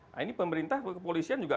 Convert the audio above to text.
nah ini pemerintah kepolisian juga